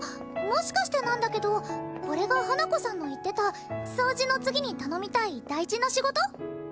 もしかしてなんだけどこれが花子さんの言ってた掃除の次に頼みたい大事な仕事？